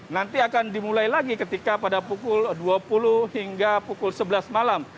nanti akan dimulai lagi ketika pada pukul dua puluh hingga pukul sebelas malam